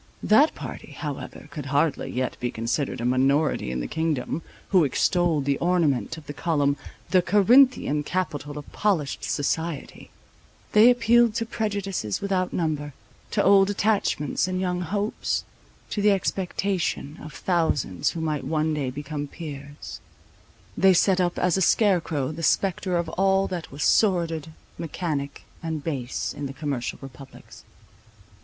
That party, however, could hardly yet be considered a minority in the kingdom, who extolled the ornament of the column, "the Corinthian capital of polished society;" they appealed to prejudices without number, to old attachments and young hopes; to the expectation of thousands who might one day become peers; they set up as a scarecrow, the spectre of all that was sordid, mechanic and base in the commercial republics.